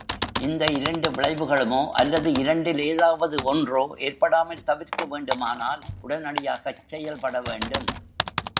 இந்த இரண்டு விளைவுகளுமோ அல்லது இரண்டில் ஏதாவது ஒன்றோ ஏற்படாமல் தவிர்க்க வேண்டுமானால் உடனடியாகச் செயல்படவேண்டும்.